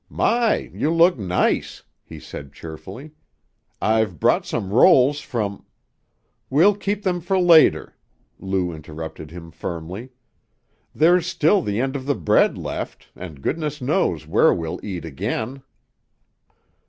"My, you look nice!" he said cheerfully. "I've brought some rolls from " "We'll keep them for later," Lou interrupted him firmly. "There's still the end of the bread left, and goodness knows where we'll eat again!"